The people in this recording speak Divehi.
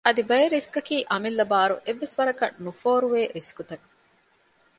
އަދި ބައެއް ރިސްކަކީ އަމިއްލަ ބާރު އެއްވެސް ވަރަކަށް ނުފޯރުވޭ ރިސްކުތައް